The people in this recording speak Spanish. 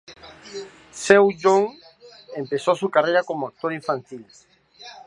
Seung-yoon empezó su carrera como actor infantil.